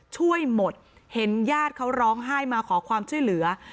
ช่วยหมดเห็นญาติเขาร้องไห้มาขอความช่วยเหลือ